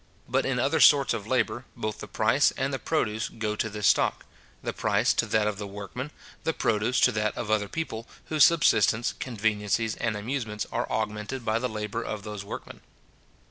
But in other sorts of labour, both the price and the produce go to this stock; the price to that of the workmen, the produce to that of other people, whose subsistence, conveniencies, and amusements, are augmented by the labour of those workmen.